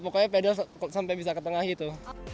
pokoknya pedal sampai bisa ke tengah gitu